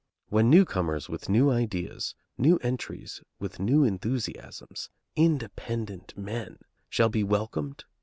when newcomers with new ideas, new entries with new enthusiasms, independent men, shall be welcomed?